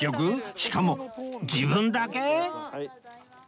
しかも自分だけ！？